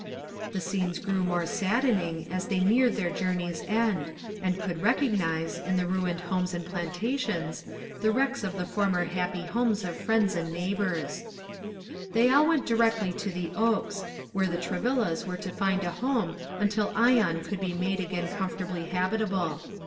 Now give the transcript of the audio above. The scenes grew more saddening as they neared their journey's end, and could recognize, in the ruined houses and plantations, the wrecks of the former happy homes of friends and neighbors. They all went directly to the Oaks, where the Travillas were to find a home until Ion could be made again comfortably habitable.